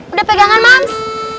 udah pegangan mams